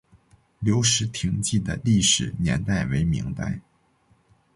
留石亭记的历史年代为明代。